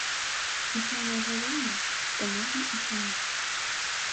І самае галоўнае, што можна ацаніць.